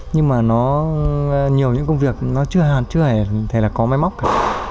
nhưng mà nó nhiều những công việc nó chưa hẳn chưa hề là có máy móc cả